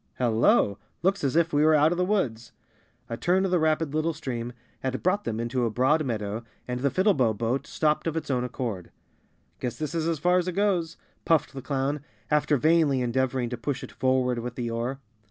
Hello! Looks as if we were out of the woods." 239 The Cowardly Lion of Qz _ A turn of the rapid little stream had brought them into a broad meadow and the Fiddlebow Boat stopped of its own accord. "Guess this is as far as it goes," puffed the clown, after vainly endeavoring to push it forward with the oar.